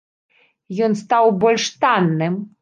Ён стаў больш танным.